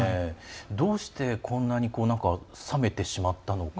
どうしてこんなに冷めてしまったのか。